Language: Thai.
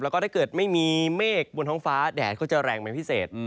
แล้วก็ถ้าเกิดไม่มีเมฆบนท้องฟ้าแดดก็จะแรงเป็นพิเศษ